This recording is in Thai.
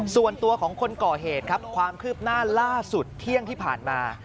ส่วนตัวของคนก่อเหตุครับความคืบหน้าล่าสุดเที่ยงที่ผ่านมา